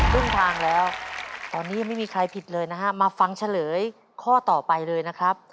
ครึ่งทางแล้วตอนนี้ยังไม่มีใครผิดเลยนะฮะมาฟังเฉลยข้อต่อไปเลยนะครับ